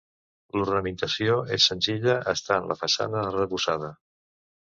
L'ornamentació és senzilla estant la façana arrebossada.